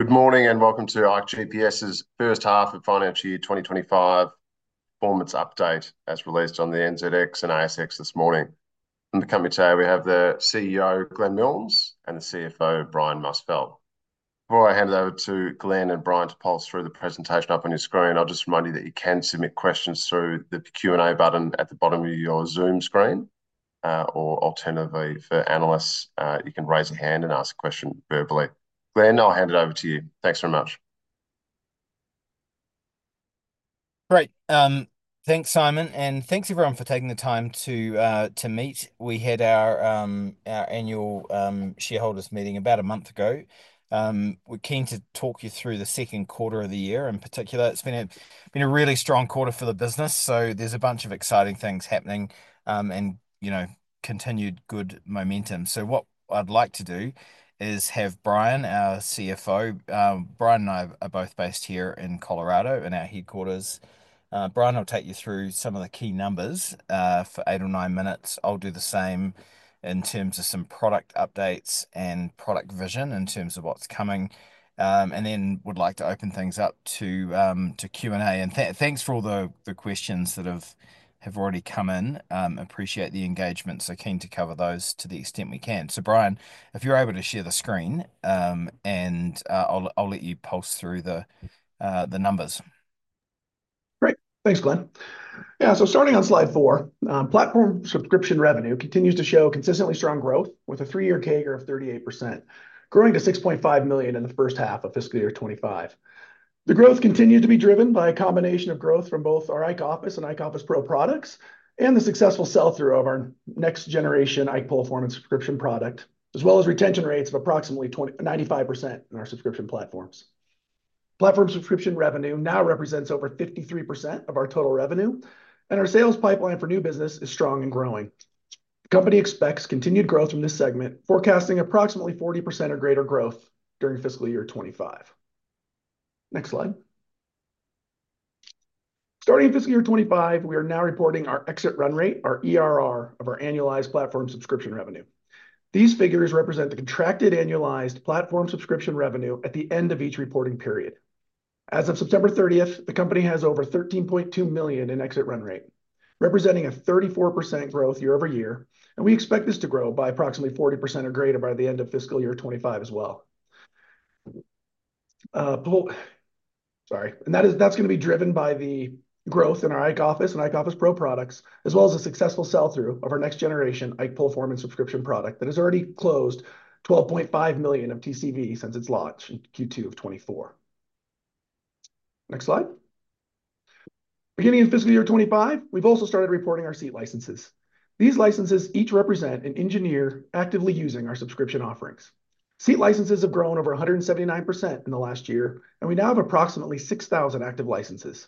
Good morning, and welcome to ikeGPS's first half of financial year 2025 performance update, as released on the NZX and ASX this morning. In the company today, we have the CEO, Glenn Milnes, and the CFO, Brian Musfeldt. Before I hand it over to Glenn and Brian to pulse through the presentation up on your screen, I'll just remind you that you can submit questions through the Q&A button at the bottom of your Zoom screen. Or alternatively, for analysts, you can raise your hand and ask a question verbally. Glenn, I'll hand it over to you. Thanks very much. Great. Thanks, Simon, and thanks everyone for taking the time to meet. We had our annual shareholders meeting about a month ago. We're keen to talk you through the second quarter of the year, in particular. It's been a really strong quarter for the business, so there's a bunch of exciting things happening, and, you know, continued good momentum. So what I'd like to do is have Brian, our CFO. Brian and I are both based here in Colorado, in our headquarters. Brian will take you through some of the key numbers for eight or nine minutes. I'll do the same in terms of some product updates and product vision, in terms of what's coming. And then would like to open things up to Q&A. Thanks for all the questions that have already come in. Appreciate the engagement, so keen to cover those to the extent we can. So Brian, if you're able to share the screen, and I'll let you pulse through the numbers. Great. Thanks, Glenn. Yeah, so starting on slide four, platform subscription revenue continues to show consistently strong growth with a three-year CAGR of 38%, growing to 6.5 million in the first half of fiscal year 2025. The growth continued to be driven by a combination of growth from both our IKE Office and IKE Office Pro products, and the successful sell-through of our next generation IKE PoleForeman subscription product, as well as retention rates of approximately 95% in our subscription platforms. Platform subscription revenue now represents over 53% of our total revenue, and our sales pipeline for new business is strong and growing. The company expects continued growth from this segment, forecasting approximately 40% or greater growth during fiscal year 2025. Next slide. Starting in fiscal year 2025, we are now reporting our exit run rate, our ERR, of our annualized platform subscription revenue. These figures represent the contracted annualized platform subscription revenue at the end of each reporting period. As of September thirtieth, the company has over 13.2 million in exit run rate, representing a 34% growth year-over-year, and we expect this to grow by approximately 40% or greater by the end of fiscal year 2025 as well. And that is, that's gonna be driven by the growth in our IKE Office and IKE Office Pro products, as well as a successful sell-through of our next generation IKE PoleForeman subscription product that has already closed 12.5 million of TCV since its launch in Q2 of 2024. Next slide. Beginning in fiscal year 2025, we've also started reporting our seat licenses. These licenses each represent an engineer actively using our subscription offerings. Seat licenses have grown over 179% in the last year, and we now have approximately 6,000 active licenses.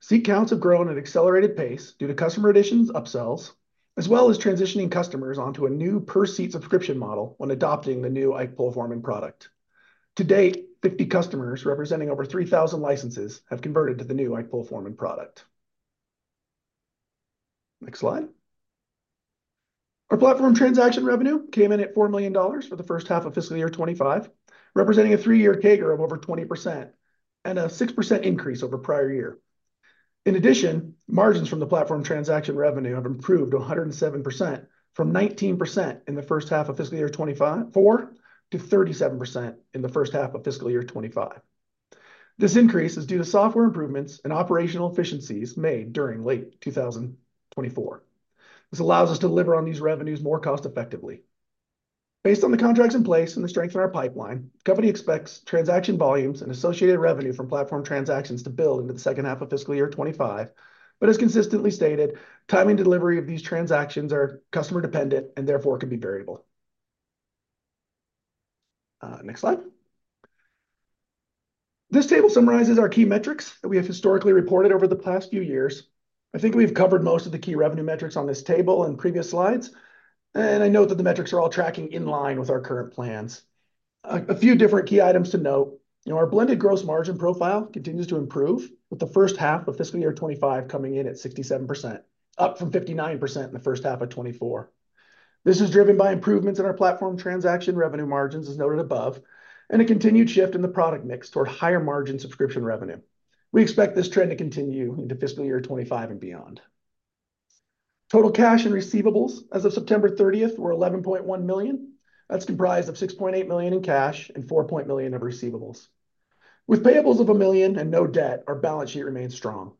Seat counts have grown at accelerated pace due to customer additions, upsells, as well as transitioning customers onto a new per-seat subscription model when adopting the new IKE PoleForeman product. To date, 50 customers, representing over 3,000 licenses, have converted to the new IKE PoleForeman product. Next slide. Our platform transaction revenue came in at 4 million dollars for the first half of fiscal year 2025, representing a three-year CAGR of over 20% and a 6% increase over prior year. In addition, margins from the platform transaction revenue have improved to 107%, from 19% in the first half of fiscal year 2024 to 37% in the first half of fiscal year 2025. This increase is due to software improvements and operational efficiencies made during late 2024. This allows us to deliver on these revenues more cost effectively. Based on the contracts in place and the strength in our pipeline, the company expects transaction volumes and associated revenue from platform transactions to build into the second half of fiscal year 2025, but has consistently stated, timing delivery of these transactions are customer dependent and therefore can be variable. Next slide. This table summarizes our key metrics that we have historically reported over the past few years. I think we've covered most of the key revenue metrics on this table in previous slides, and I note that the metrics are all tracking in line with our current plans. A few different key items to note, you know, our blended gross margin profile continues to improve, with the first half of fiscal year 2025 coming in at 67%, up from 59% in the first half of 2024. This is driven by improvements in our platform transaction revenue margins, as noted above, and a continued shift in the product mix toward higher margin subscription revenue. We expect this trend to continue into fiscal year 2025 and beyond. Total cash and receivables as of September thirtieth were 11.1 million. That's comprised of 6.8 million in cash and 4.3 million of receivables. With payables of 1 million and no debt, our balance sheet remains strong.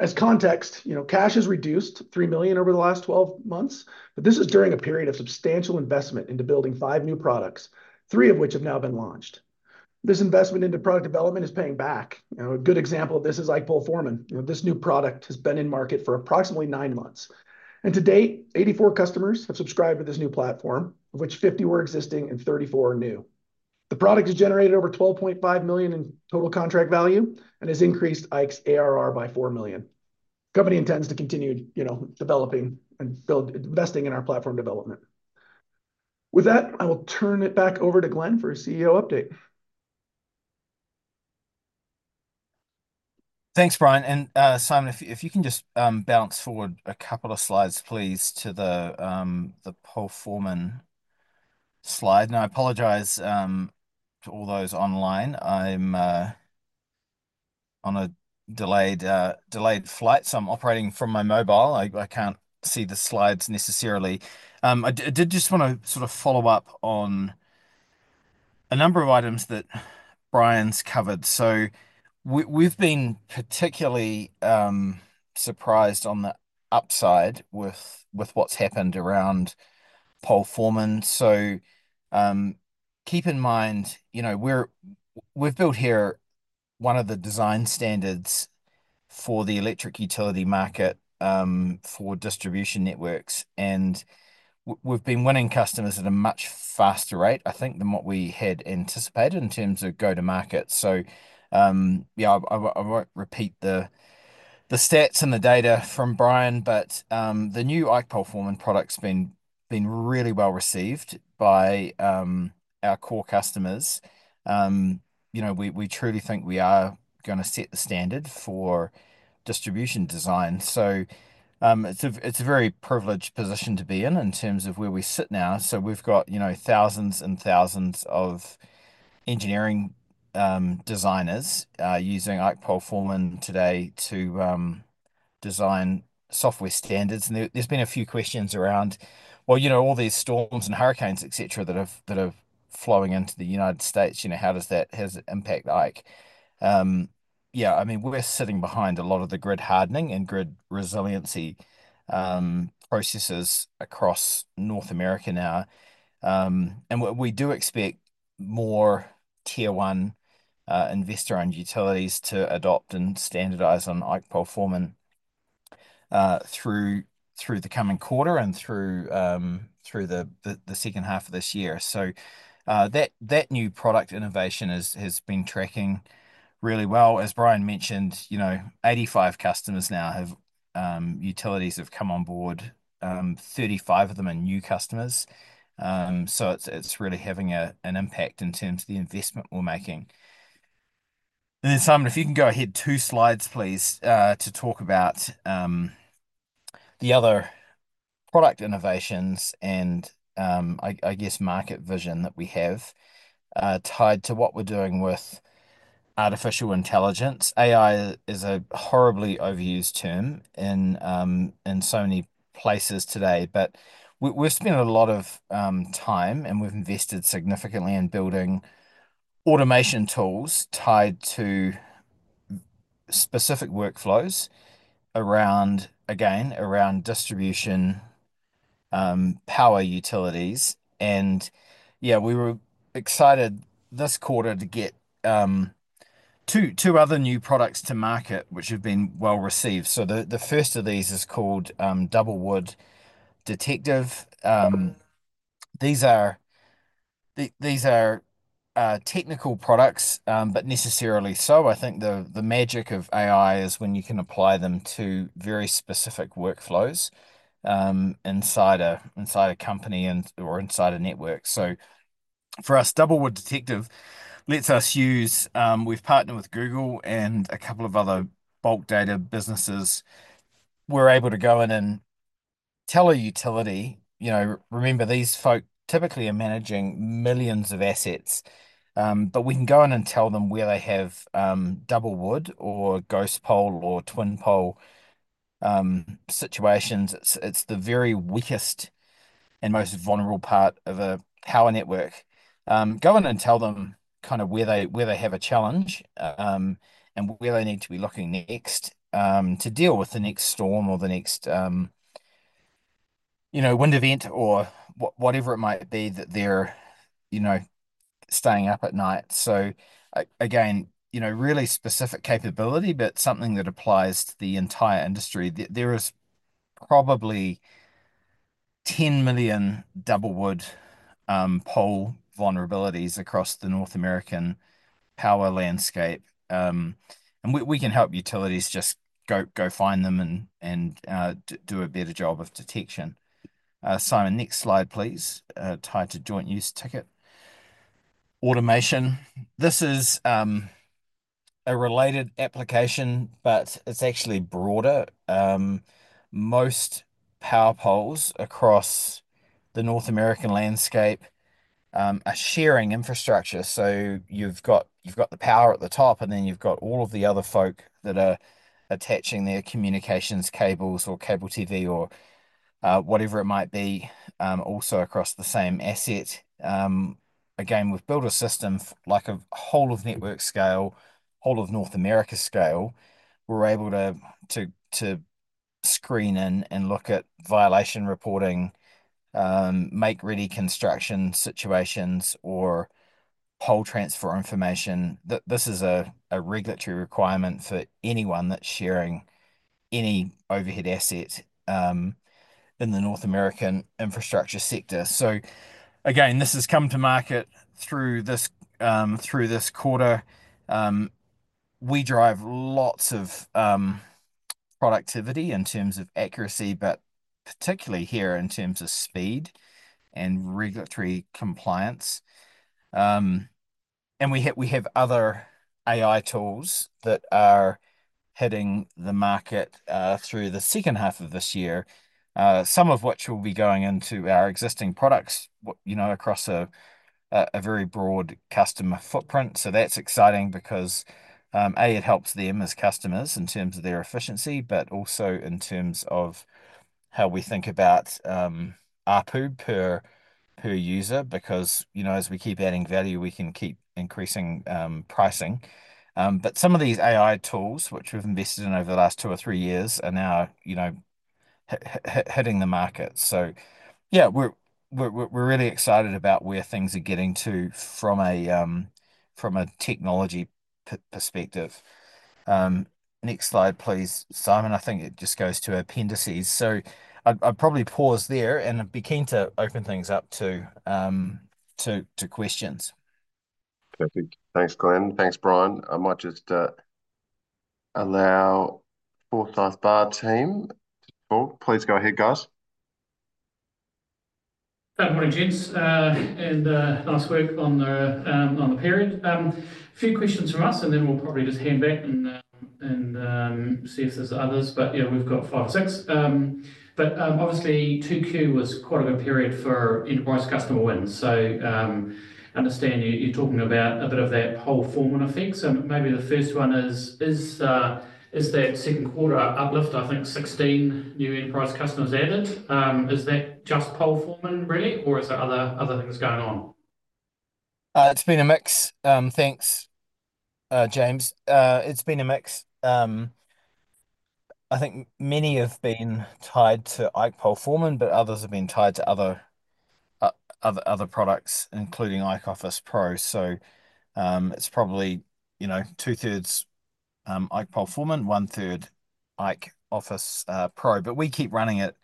As context, you know, cash has reduced 3 million over the last 12 months, but this is during a period of substantial investment into building five new products, three of which have now been launched. This investment into product development is paying back. You know, a good example of this is IKE PoleForeman. You know, this new product has been in market for approximately nine months, and to date, 84 customers have subscribed to this new platform, of which 50 were existing and 34 are new. The product has generated over 12.5 million in total contract value and has increased IKE's ARR by 4 million. The company intends to continue, you know, developing and investing in our platform development. With that, I will turn it back over to Glenn for a CEO update.... Thanks, Brian, and Simon, if you can just bounce forward a couple of slides, please, to the PoleForeman slide. Now, I apologize to all those online. I'm on a delayed flight, so I'm operating from my mobile. I can't see the slides necessarily. I did just wanna sort of follow up on a number of items that Brian's covered, so we've been particularly surprised on the upside with what's happened around PoleForeman, so keep in mind, you know, we've built here one of the design standards for the electric utility market for distribution networks, and we've been winning customers at a much faster rate, I think, than what we had anticipated in terms of go-to-market. So, yeah, I won't repeat the stats and the data from Brian, but the new IKE PoleForeman product's been really well received by our core customers. You know, we truly think we are gonna set the standard for distribution design. So, it's a very privileged position to be in in terms of where we sit now. So we've got, you know, thousands and thousands of engineering designers using IKE PoleForeman today to design software standards. And there's been a few questions around, well, you know, all these storms and hurricanes, et cetera, that have flowing into the United States, you know, how does that, how does it impact IKE? Yeah, I mean, we're sitting behind a lot of the grid hardening and grid resiliency processes across North America now. And we do expect more Tier 1 investor-owned utilities to adopt and standardize on IKE PoleForeman through the coming quarter and through the second half of this year. So, that new product innovation has been tracking really well. As Brian mentioned, you know, 85 customers now have utilities have come on board. 35 of them are new customers. So it's really having an impact in terms of the investment we're making. And then, Simon, if you can go ahead two slides, please, to talk about the other product innovations and I guess market vision that we have tied to what we're doing with artificial intelligence. AI is a horribly overused term in, in so many places today, but we've spent a lot of time, and we've invested significantly in building automation tools tied to specific workflows around, again, around distribution power utilities. And yeah, we were excited this quarter to get two other new products to market, which have been well received. So the first of these is called Double Wood Detective. These are technical products, but necessarily so. I think the magic of AI is when you can apply them to very specific workflows inside a company and or inside a network. So for us, Double Wood Detective lets us use. We've partnered with Google and a couple of other bulk data businesses. We're able to go in and tell a utility, you know, remember, these folk typically are managing millions of assets, but we can go in and tell them where they have, double wood or ghost pole or twin pole, situations. It's the very weakest and most vulnerable part of a power network. Go in and tell them kind of where they have a challenge, and where they need to be looking next, to deal with the next storm or the next, you know, wind event or whatever it might be, that they're, you know, staying up at night. So again, you know, really specific capability, but something that applies to the entire industry. There is probably 10 million double wood, pole vulnerabilities across the North American power landscape. And we can help utilities just go find them and do a better job of detection. Simon, next slide, please. Tied to Joint Use Ticket Automation, this is a related application, but it's actually broader. Most power poles across the North American landscape are sharing infrastructure. So you've got the power at the top, and then you've got all of the other folk that are attaching their communications cables or cable TV or whatever it might be also across the same asset. Again, we've built a system like a whole-of-network scale, whole of North America scale. We're able to screen and look at violation reporting, make-ready construction situations, or pole transfer information. This is a regulatory requirement for anyone that's sharing any overhead asset in the North American infrastructure sector. So again, this has come to market through this quarter. We drive lots of productivity in terms of accuracy, but particularly here in terms of speed and regulatory compliance. And we have other AI tools that are hitting the market through the second half of this year. Some of which will be going into our existing products, you know, across a very broad customer footprint. So that's exciting because it helps them as customers in terms of their efficiency, but also in terms of how we think about ARPU per user, because, you know, as we keep adding value, we can keep increasing pricing. But some of these AI tools, which we've invested in over the last two or three years, are now, you know, hitting the market. So yeah, we're really excited about where things are getting to from a technology perspective. Next slide, please, Simon. I think it just goes to appendices. So I'd probably pause there, and I'd be keen to open things up to questions. Perfect. Thanks, Glenn. Thanks, Brian. I might just allow Forsyth Barr team to talk. Please go ahead, guys. Good morning, gents, and nice work on the period. A few questions from us, and then we'll probably just hand back and see if there's others. Yeah, we've got five or six. Obviously, 2Q was quite a good period for enterprise customer wins. I understand you're talking about a bit of that PoleForeman effect. Maybe the first one is that second quarter uplift. I think 16 new enterprise customers added. Is that just PoleForeman, really, or is there other things going on? Thanks, James. It's been a mix. I think many have been tied to IKE PoleForeman, but others have been tied to other products, including IKE Office Pro. So, it's probably, you know, two-thirds IKE PoleForeman, one-third IKE Office Pro. But we keep running it,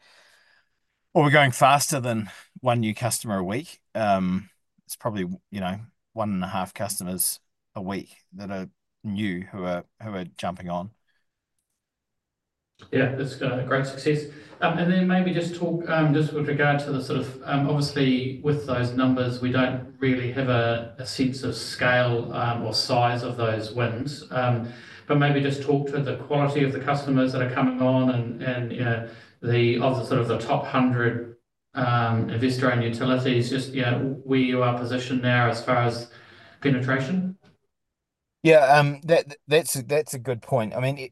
or we're going faster than one new customer a week. It's probably, you know, one and a half customers a week that are new, who are jumping on. Yeah, it's a great success, and then maybe just talk, just with regard to the sort of. Obviously, with those numbers, we don't really have a sense of scale or size of those wins, but maybe just talk to the quality of the customers that are coming on and, you know, of the sort of the top hundred investor-owned utilities, just, you know, where you are positioned now as far as penetration. Yeah, that's a good point. I mean,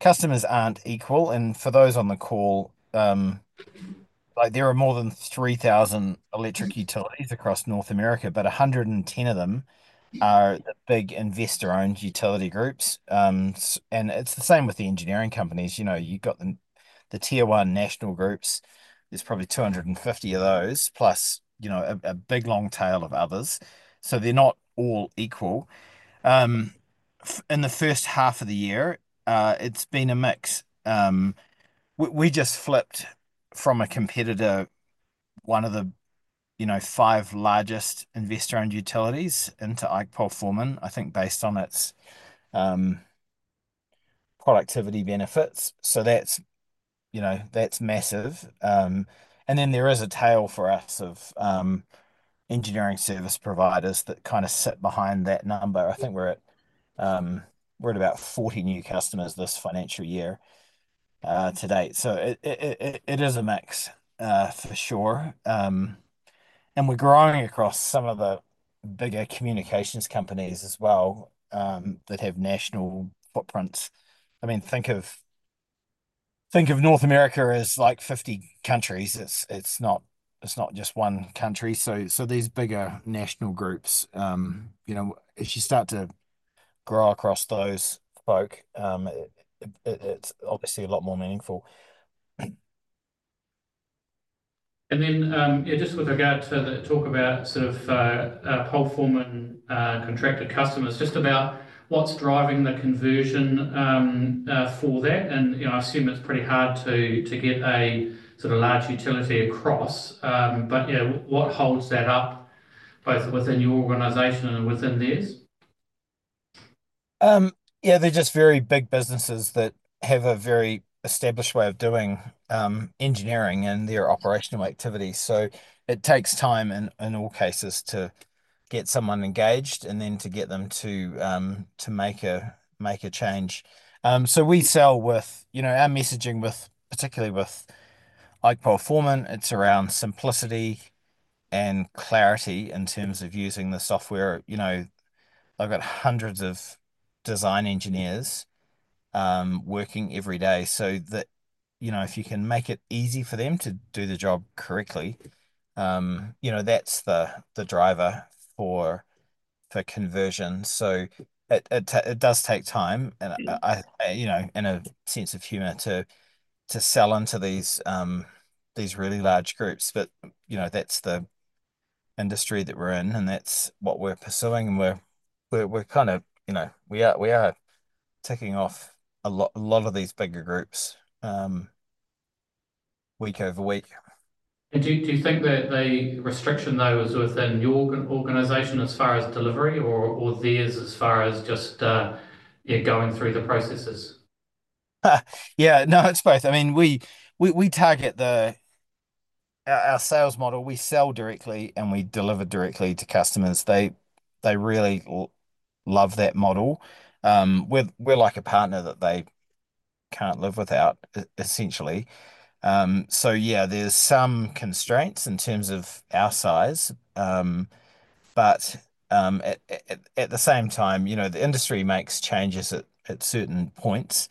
customers aren't equal, and for those on the call, like, there are more than 3,000 electric utilities across North America, but 110 of them are the big investor-owned utility groups. And it's the same with the engineering companies. You know, you've got the tier one national groups. There's probably 250 of those, plus, you know, a big, long tail of others. So they're not all equal. In the first half of the year, it's been a mix. We just flipped from a competitor, one of the, you know, five largest investor-owned utilities into IKE PoleForeman, I think, based on its productivity benefits. So that's, you know, that's massive. Then there is a tail for us of engineering service providers that kind of sit behind that number. I think we're at about 40 new customers this financial year to date. So it is a mix for sure. We're growing across some of the bigger communications companies as well that have national footprints. I mean, think of North America as, like, 50 countries. It's not just one country. So these bigger national groups, you know, as you start to grow across those folks, it's obviously a lot more meaningful. And then, yeah, just with regard to the talk about sort of, PoleForeman, contracted customers, just about what's driving the conversion, for that, and, you know, I assume it's pretty hard to get a sort of large utility across. But, you know, what holds that up, both within your organization and within theirs? Yeah, they're just very big businesses that have a very established way of doing engineering and their operational activities. So it takes time in all cases to get someone engaged and then to get them to make a change. So we sell with... You know, our messaging with, particularly with IKE PoleForeman, it's around simplicity and clarity in terms of using the software. You know, I've got hundreds of design engineers working every day, so that, you know, if you can make it easy for them to do the job correctly, you know, that's the driver for conversion. So it does take time, and I, you know, with a sense of humor, to sell into these really large groups. But, you know, that's the industry that we're in, and that's what we're pursuing, and we're kind of- you know, we are ticking off a lot of these bigger groups week over week. Do you think that the restriction, though, is within your organization as far as delivery or theirs as far as just yeah, going through the processes? Yeah, no, it's both. I mean, we target the... Our sales model, we sell directly and we deliver directly to customers. They really love that model. We're like a partner that they can't live without, essentially. So yeah, there's some constraints in terms of our size. But at the same time, you know, the industry makes changes at certain points.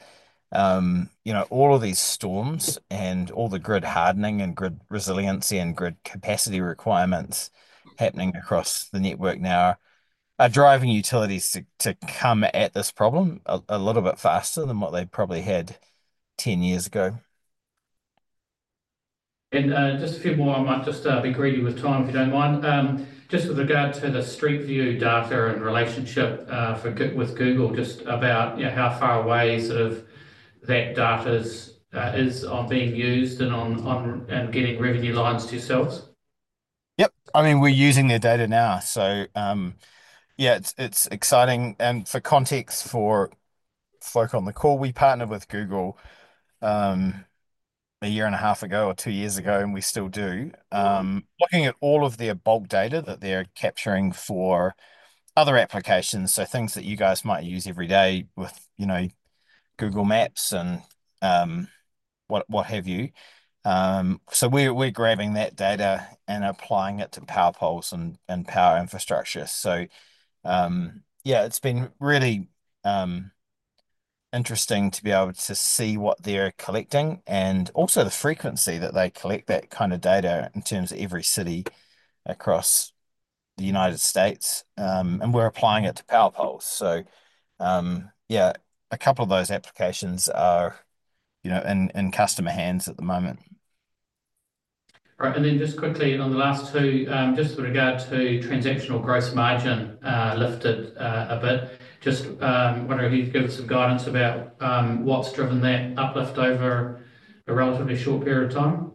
You know, all of these storms and all the grid hardening and grid resiliency and grid capacity requirements happening across the network now are driving utilities to come at this problem a little bit faster than what they probably had 10 years ago. And, just a few more. I might just be greedy with time, if you don't mind. Just with regard to the Street View data and relationship with Google, just about, you know, how far away sort of that data is from being used and from getting revenue lines to yourselves? Yep. I mean, we're using their data now, so, yeah, it's, it's exciting. And for context, for folk on the call, we partnered with Google, a year and a half ago or two years ago, and we still do. Looking at all of their bulk data that they're capturing for other applications, so things that you guys might use every day with, you know, Google Maps and, what have you. So, we're grabbing that data and applying it to power poles and power infrastructure. So, yeah, it's been really interesting to be able to see what they're collecting and also the frequency that they collect that kind of data in terms of every city across the United States. And we're applying it to power poles. So, yeah, a couple of those applications are, you know, in customer hands at the moment. Right. And then just quickly on the last two, just with regard to transactional gross margin, lifted a bit. Just wondering if you could give us some guidance about what's driven that uplift over a relatively short period of time?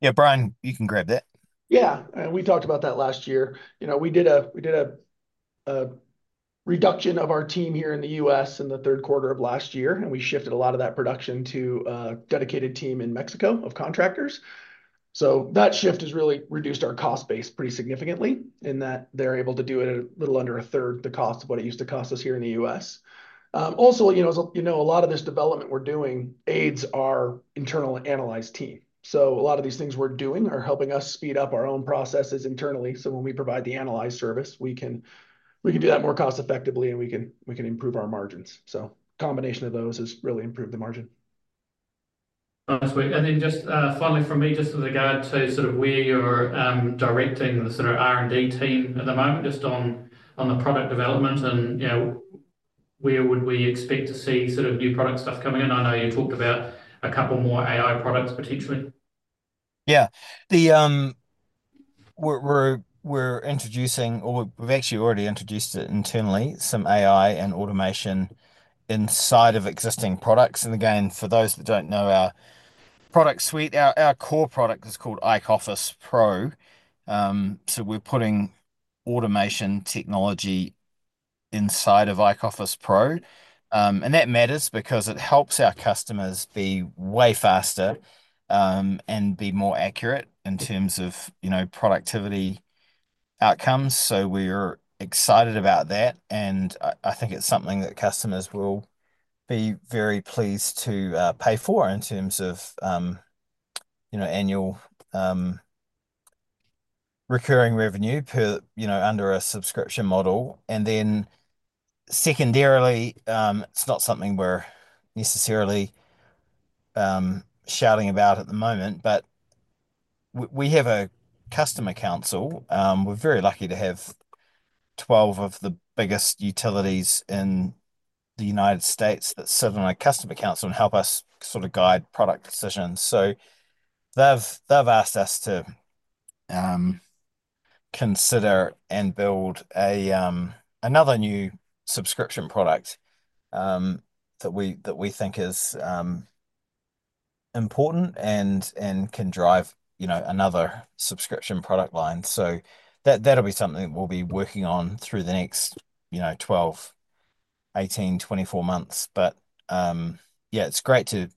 Yeah, Brian, you can grab that. Yeah. And we talked about that last year. You know, we did a reduction of our team here in the US in the third quarter of last year, and we shifted a lot of that production to a dedicated team in Mexico of contractors. So that shift has really reduced our cost base pretty significantly in that they're able to do it at a little under a third the cost of what it used to cost us here in the U.S. Also, you know, as you know, a lot of this development we're doing aids our internal analyst team. So a lot of these things we're doing are helping us speed up our own processes internally, so when we provide the analyst service, we can do that more cost-effectively, and we can improve our margins. Combination of those has really improved the margin. Oh, that's great. And then just finally from me, just with regard to sort of where you're directing the sort of R&D team at the moment, just on the product development and, you know, where would we expect to see sort of new product stuff coming in? I know you talked about a couple more AI products potentially. Yeah. We're introducing, or we've actually already introduced it internally, some AI and automation inside of existing products. And again, for those that don't know our product suite, our core product is called IKE Office Pro. So we're putting automation technology inside of IKE Office Pro. And that matters because it helps our customers be way faster, and be more accurate in terms of, you know, productivity outcomes. So we're excited about that, and I think it's something that customers will be very pleased to pay for in terms of, you know, annual recurring revenue per, you know, under a subscription model. And then secondarily, it's not something we're necessarily shouting about at the moment, but we have a customer council. We're very lucky to have 12 of the biggest utilities in the United States that sit on our customer council and help us sort of guide product decisions. So they've asked us to consider and build another new subscription product that we think is important and can drive, you know, another subscription product line. So that'll be something that we'll be working on through the next, you know, 12, 18, 24 months. But yeah, it's great to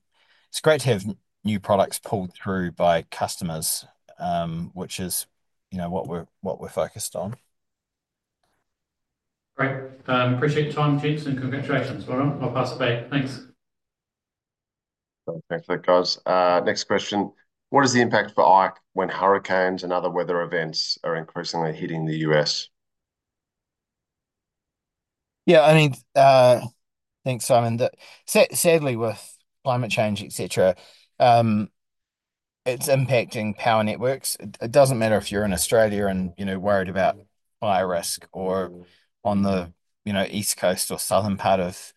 have new products pulled through by customers, which is, you know, what we're focused on. Great. Appreciate your time, gents, and congratulations. All right, I'll pass it back. Thanks. Thanks for that, guys. Next question: What is the impact for IKE when hurricanes and other weather events are increasingly hitting the U.S.? Yeah, I mean, thanks, Simon. Sadly, with climate change, et cetera, it's impacting power networks. It doesn't matter if you're in Australia and, you know, worried about fire risk or on the, you know, East Coast or southern part of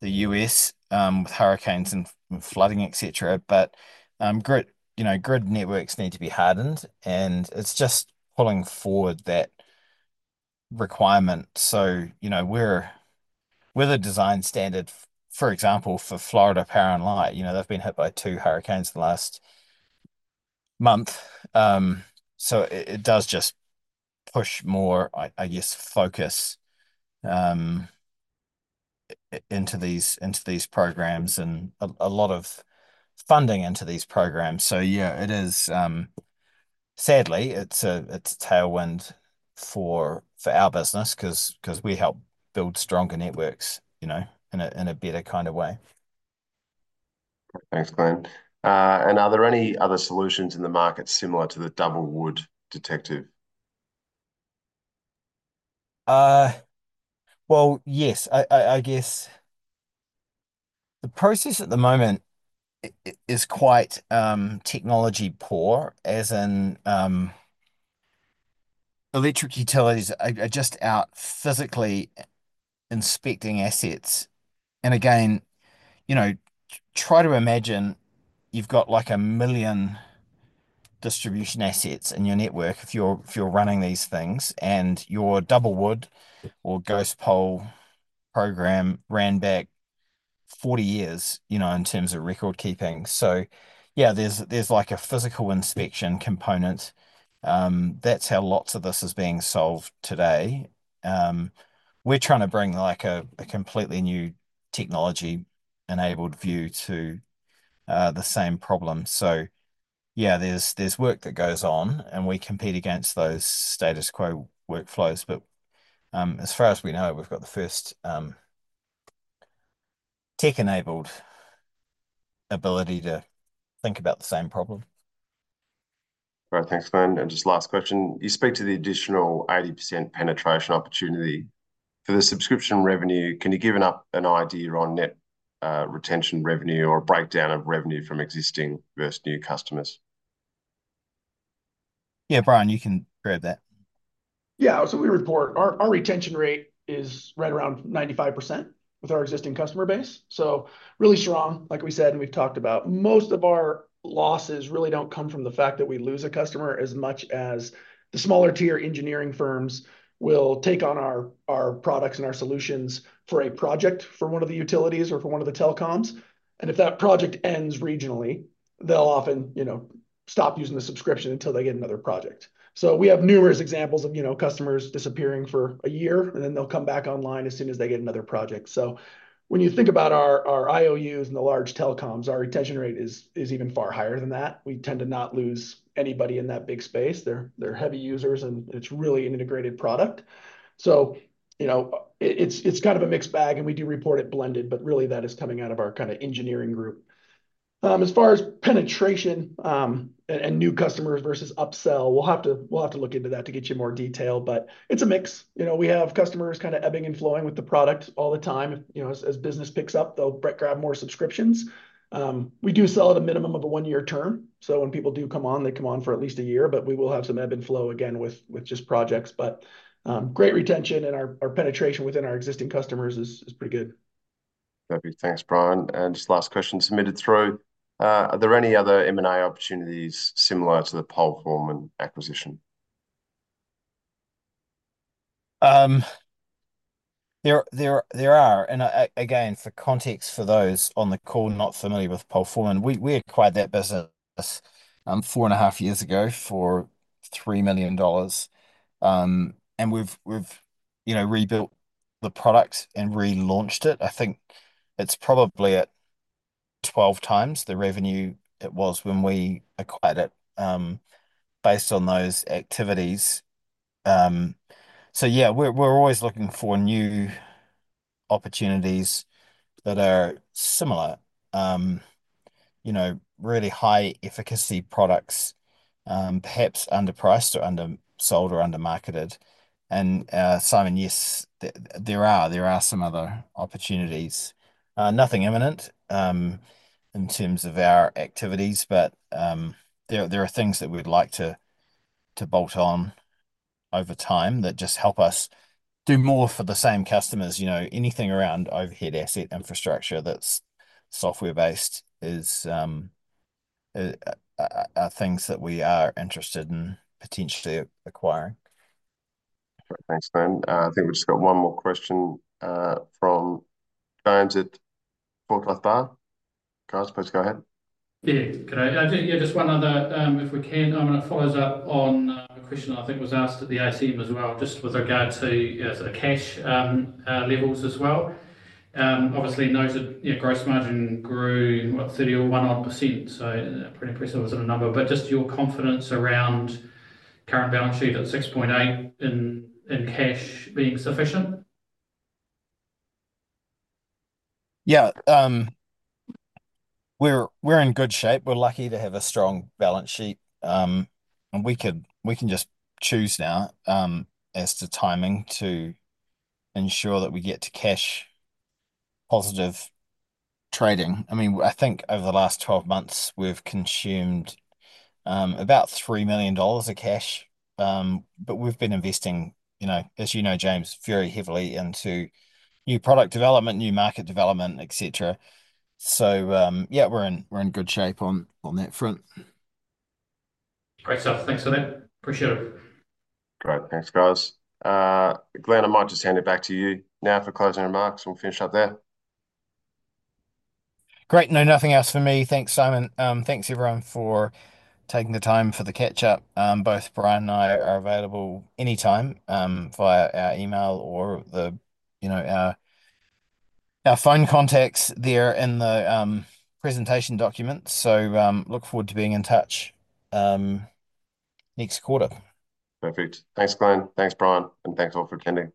the U.S., with hurricanes and flooding, et cetera, but grid, you know, grid networks need to be hardened, and it's just pulling forward that requirement. So, you know, we're with a design standard, for example, for Florida Power & Light, you know, they've been hit by two hurricanes in the last month. So it does just push more, I guess, focus into these programs, and a lot of funding into these programs. So yeah, it is, sadly, it's a tailwind for our business, 'cause we help build stronger networks, you know, in a better kind of way. Thanks, Glenn, and are there any other solutions in the market similar to the Double Wood Detective? Well, yes. I guess the process at the moment is quite technology poor, as in electric utilities are just out physically inspecting assets. Again, you know, try to imagine you've got, like, a million distribution assets in your network if you're running these things, and your double wood or ghost pole program ran back 40 years, you know, in terms of record keeping, so yeah, there's like a physical inspection component. That's how lots of this is being solved today. We're trying to bring, like, a completely new technology-enabled view to the same problem, so yeah, there's work that goes on, and we compete against those status quo workflows, but as far as we know, we've got the first tech-enabled ability to think about the same problem. Great. Thanks, Glenn. And just last question: You speak to the additional 80% penetration opportunity. For the subscription revenue, can you give an idea on net retention revenue or a breakdown of revenue from existing versus new customers? Yeah, Brian, you can grab that. Yeah, so we report. Our retention rate is right around 95% with our existing customer base, so really strong, like we said and we've talked about. Most of our losses really don't come from the fact that we lose a customer as much as the smaller tier engineering firms will take on our products and our solutions for a project for one of the utilities or for one of the telecoms. And if that project ends regionally, they'll often, you know, stop using the subscription until they get another project. So we have numerous examples of, you know, customers disappearing for a year, and then they'll come back online as soon as they get another project. So when you think about our IOUs and the large telecoms, our retention rate is even far higher than that. We tend to not lose anybody in that big space. They're heavy users, and it's really an integrated product. So, you know, it's kind of a mixed bag, and we do report it blended, but really that is coming out of our kind of engineering group. As far as penetration, and new customers versus upsell, we'll have to look into that to get you more detail, but it's a mix. You know, we have customers kind of ebbing and flowing with the product all the time. You know, as business picks up, they'll grab more subscriptions. We do sell at a minimum of a one-year term, so when people do come on, they come on for at least a year, but we will have some ebb and flow again with just projects. But, great retention and our penetration within our existing customers is pretty good. Okay. Thanks, Brian. And just last question submitted through: Are there any other M&A opportunities similar to the PoleForeman acquisition? There are, and again, for context for those on the call not familiar with PoleForeman, we acquired that business four and a half years ago for 3 million dollars. And we've, you know, rebuilt the product and relaunched it. I think it's probably at 12x the revenue it was when we acquired it, based on those activities. So yeah, we're always looking for new opportunities that are similar, you know, really high efficacy products, perhaps underpriced or undersold or under-marketed. And, Simon, yes, there are some other opportunities. Nothing imminent, in terms of our activities, but, there are things that we'd like to bolt on over time that just help us do more for the same customers. You know, anything around overhead asset infrastructure that's software-based is, are things that we are interested in potentially acquiring. Great. Thanks, Glenn. I think we've just got one more question, from James at Forsyth Barr. James, please go ahead. Yeah. Good day. Yeah, just one other, if we can, and it follows up on a question I think was asked at the AGM as well, just with regard to, yeah, sort of cash levels as well. Obviously, noted, yeah, gross margin grew, what? 31-odd%, so, pretty impressive as a number. But just your confidence around current balance sheet at 6.8 million in cash being sufficient? Yeah, we're in good shape. We're lucky to have a strong balance sheet, and we can just choose now as to timing to ensure that we get to cash positive trading. I mean, I think over the last 12 months, we've consumed about 3 million dollars of cash, but we've been investing, you know, as you know, James, very heavily into new product development, new market development, et cetera. So, yeah, we're in good shape on that front. Great stuff. Thanks for that. Appreciate it. Great. Thanks, guys. Glenn, I might just hand it back to you now for closing remarks, and we'll finish up there. Great. No, nothing else from me. Thanks, Simon. Thanks, everyone, for taking the time for the catch-up. Both Brian and I are available anytime, via our email or the, you know, our phone contacts there in the presentation documents. So, look forward to being in touch next quarter. Perfect. Thanks, Glenn. Thanks, Brian, and thanks, all, for attending.